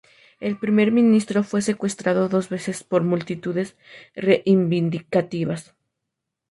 El primer ministro fue secuestrado dos veces por multitudes reivindicativas.